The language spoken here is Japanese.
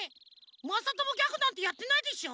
まさともギャグなんてやってないでしょ？